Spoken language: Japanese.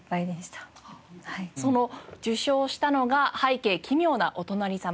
その受賞したのが『拝啓、奇妙なお隣さま』。